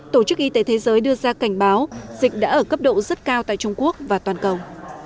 tổ chức y tế thế giới đưa ra cảnh báo dịch đã ở cấp độ rất cao tại trung quốc và toàn cầu